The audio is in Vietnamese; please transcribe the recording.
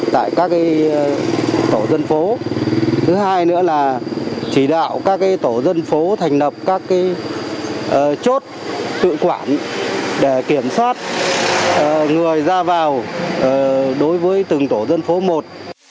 tại các tổ dân phố thứ hai nữa là chỉ đạo các tổ dân phố thành lập các chốt tự quản để kiểm soát người ra vào đối với từng tổ dân phố một